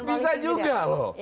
bisa juga loh